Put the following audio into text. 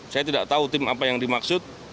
saya tidak tahu tim apa yang dimaksud